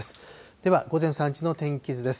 では午前３時の天気図です。